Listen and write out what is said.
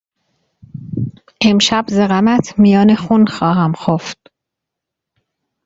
امشب ز غمت میان خون خواهم خفت